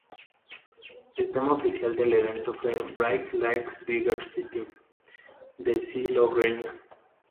El tema oficial del evento fue "Bright Lights Bigger City" de Cee Lo Green.